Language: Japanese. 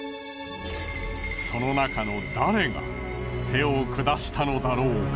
そのなかの誰が手を下したのだろうか。